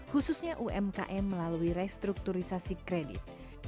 khususnya umkm melalui restrukturisasi kredit